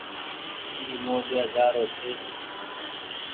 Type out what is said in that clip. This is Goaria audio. اي موريآ جآ رو ڇي۔